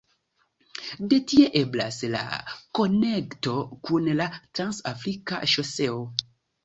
De tie eblas la konekto kun la "Trans-Afrika Ŝoseo".